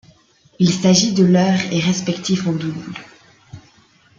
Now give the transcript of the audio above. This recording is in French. Il s'agit de leur et respectif en double.